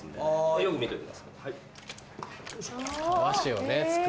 よく見といてください。